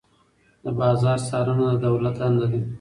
د بازار څارنه د دولت دنده ده.